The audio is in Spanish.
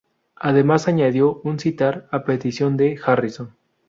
Además, añadió un sitar a petición de Harrison.